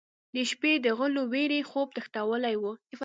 د شپې د غلو وېرې خوب تښتولی و.